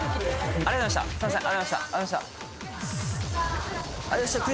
ありがとうございましたあれ？